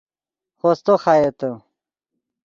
خوستو خایتے